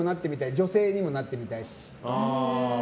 女性にもなってみたいし。